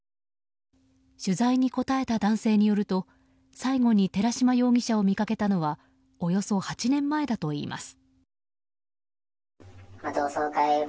取材に答えた男性によると最後に寺島容疑者を見かけたのはおよそ８年前だといいます。